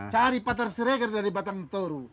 cari pak tersirekar dari batang toru